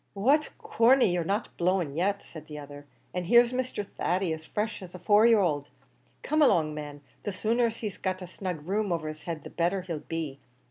"What, Corney, you're not blown yet!" said the other, "an' here's Mr. Thady as fresh as a four year old. Come along, man; the sooner he's got a snug room over his head the better he'll be.